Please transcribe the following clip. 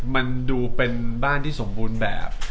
มันดูเป็นบ้านที่สมบูรณ์แบบ